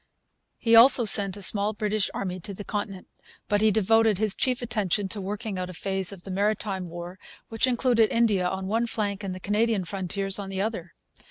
He also sent a small British army to the Continent. But he devoted his chief attention to working out a phase of the 'Maritime War' which included India on one flank and the Canadian frontiers on the other.